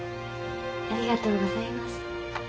ありがとうございます。